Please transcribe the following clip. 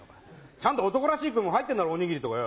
ちゃんと男らしい食い物入ってんだろおにぎりとかよ。